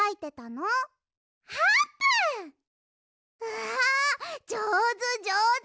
わあじょうずじょうず！